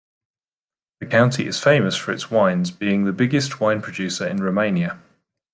The county is famous for its wines, being the biggest wine producer in Romania.